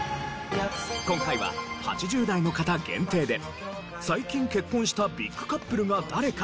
今回は８０代の方限定で最近結婚したビッグカップルが誰か聞いてみました。